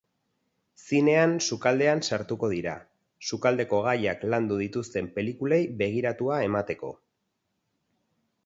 Zinean sukaldean sartuko dira, sukaldeko gaiak landu dituzten pelikulei begiratua emateko.